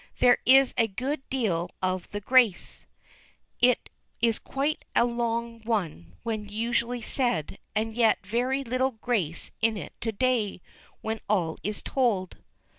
There is a good deal of the grace; it is quite a long one when usually said, and yet very little grace in it to day, when all is told.